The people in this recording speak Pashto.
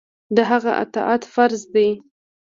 د هغه اطاعت فرض دی.